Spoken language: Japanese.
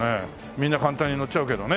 みんな簡単に乗っちゃうけどね。